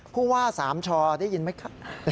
พูดว่าสามชได้ยินไหมครับ